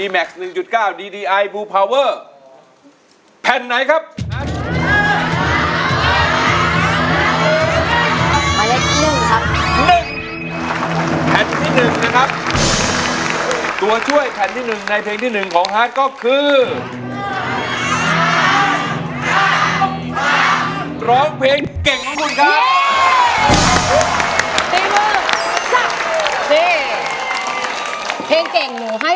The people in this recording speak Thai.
ไม่ใช้